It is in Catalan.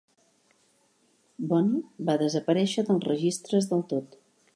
Bonny va desaparèixer dels registres del tot.